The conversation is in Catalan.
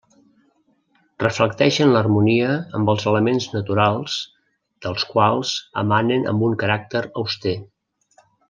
Reflecteixen l'harmonia amb els elements naturals, dels quals emanen amb un caràcter auster.